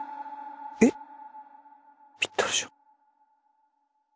ぴったりじゃん。